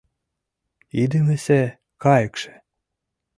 Идымысе кайыкше